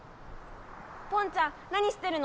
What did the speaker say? ポンちゃん何してるの？